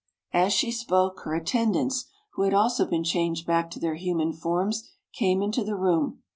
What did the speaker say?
As she spoke, her attendants — who had also been changed back to their human forms — came into the room.